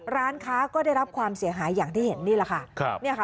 ร้านค้าก็ได้รับความเสียหายอย่างที่เห็นนี่แหละค่ะ